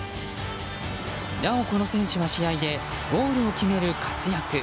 なお、この選手は試合でゴールを決める活躍。